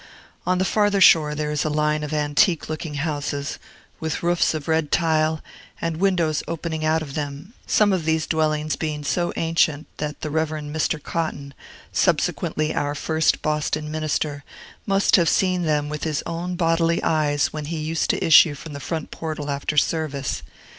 On the farther shore there is a line of antique looking houses, with roofs of red tile, and windows opening out of them, some of these dwellings being so ancient, that the Reverend Mr. Cotton, subsequently our first Boston minister, must have seen them with his own bodily eyes, when he used to issue from the front portal after service.